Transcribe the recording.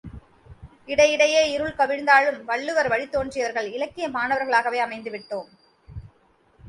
இடையிடையே இருள் கவிந்தாலும் வள்ளுவர் வழித்தோன்றியவர்கள் இலக்கிய மாணவர்களாகவே அமைந்துவிட்டோம்!